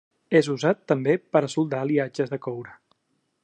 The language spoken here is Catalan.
És usat també per a soldar aliatges de coure.